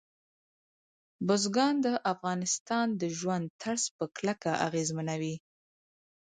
بزګان د افغانانو د ژوند طرز په کلکه اغېزمنوي.